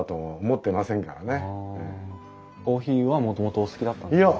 コーヒーはもともとお好きだったんですか？